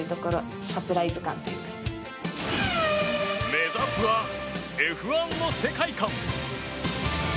目指すはＦ１の世界観。